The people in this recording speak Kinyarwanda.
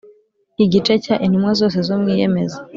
igice cya Intumwa zose zo mw Iyemeza